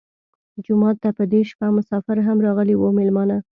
جومات ته په دې شپه مسافر هم راغلي وو مېلمانه.